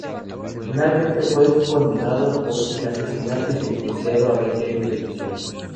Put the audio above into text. Finalmente fue condenado por el asesinato y sentenciado a veinte años de prisión.